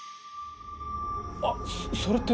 あっそれって。